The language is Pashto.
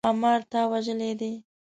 ښامار تا وژلی دی؟